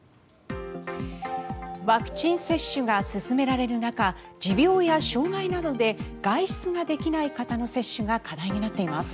ワクチン接種が進められる中持病や障害などで外出ができない方の接種が課題になっています。